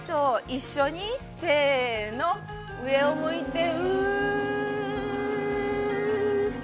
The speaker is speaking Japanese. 一緒に、せーの、上を向いてウー。